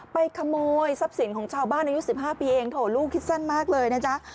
ไปขโมยทรัพย์สินของชาวบ้านอายุ๑๕ปีเองโถลูกคิดสั้นมากเลยนะจ๊ะ